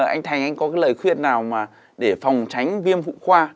anh thành anh có cái lời khuyên nào mà để phòng tránh viêm phụ khoa